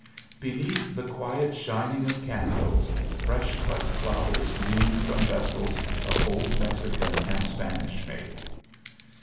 Beneath the quiet shining of candles, fresh cut flowers leaned from vessels of old Mexican and Spanish make.